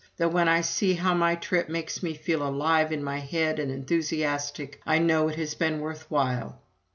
Though when I see how my trip makes me feel alive in my head and enthusiastic, I know it has been worth while.